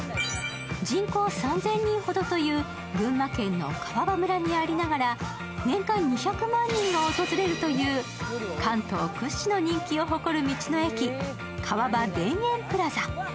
人口３０００人ほどという群馬県の川場村にありながら年間２００万人が訪れるという関東屈指の人気を誇る道の駅、川場田園プラザ。